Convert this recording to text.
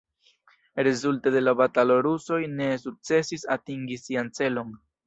Rezulte de la batalo rusoj ne sukcesis atingi sian celon.